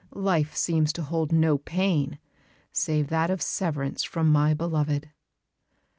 Life seems to hold no pain, save that of severance from my beloved."